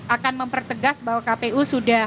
akan mempertegas bahwa kpu sudah